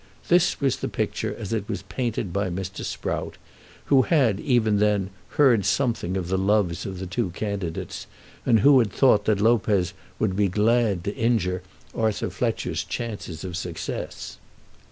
This was the picture as it was painted by Mr. Sprout, who had, even then, heard something of the loves of the two candidates, and who had thought that Lopez would be glad to injure Arthur Fletcher's chances of success.